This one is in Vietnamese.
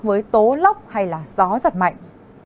với tố lốc hay là gió giật mạnh